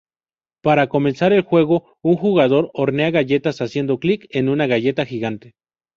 Para comenzar el juego, un jugador hornea galletas haciendo clic en una galleta gigante.